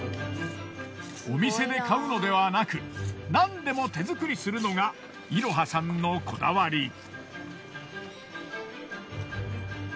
お店で買うのではなくなんでも手作りするのがいろはさんのこだわり。